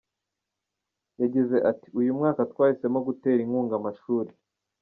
Yagize ati “Uyu mwaka twahisemo gutera inkunga amashuri.